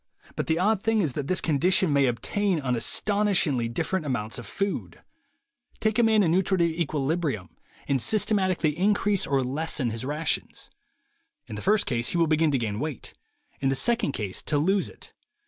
But the odd thing is that this condition may obtain on astonishingly different amounts of food. Take a man in nutritive equili 140 THE WAY TO WILL POWER brium, and systematically increase or lessen his rations. In the first case he will begin to gain weight, in the second case to lose it.